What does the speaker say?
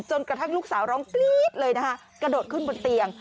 กระทั่งลูกสาวร้องกรี๊ดเลยนะคะกระโดดขึ้นบนเตียง